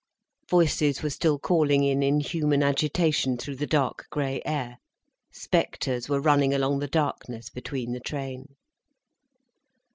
Voices were still calling in inhuman agitation through the dark grey air, spectres were running along the darkness between the train.